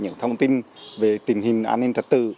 những thông tin về tình hình an ninh trật tự